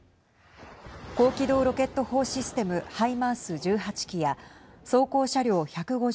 高機動ロケット砲システム＝ハイマース１８基や装甲車両１５０台